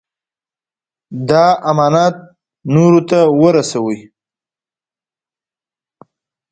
دا امانت نورو ته ورسوئ.